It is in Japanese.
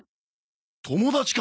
友達か？